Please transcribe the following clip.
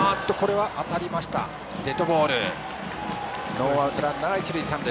ノーアウト、ランナー、三塁。